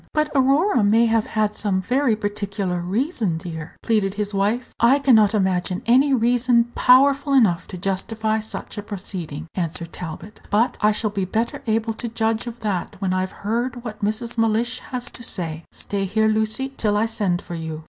"But Aurora may have had some very particular reason, dear?" pleaded his wife. "I can not imagine any reason powerful enough to justify such a proceeding," answered Talbot; "but I shall be better able to judge of that when I've heard what Mrs. Mellish has to say. Stay here, Lucy, till I send for you."